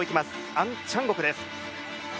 アンチャンゴクです。